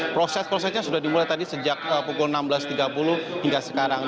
proses prosesnya sudah dimulai tadi sejak pukul enam belas tiga puluh hingga sekarang